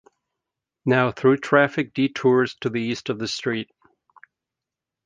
Now through traffic detours to the east of the street.